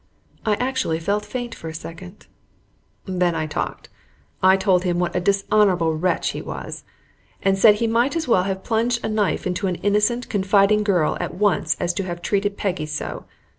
I actually felt faint for a second. Then I talked. I told him what a dishonorable wretch he was, and said he might as well have plunged a knife into an innocent, confiding girl at once as to have treated Peggy so.